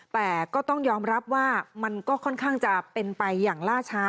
แต่ก็ต้องยอมรับว่ามันก็ค่อนข้างจะเป็นไปอย่างล่าช้า